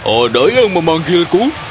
ada yang memanggilku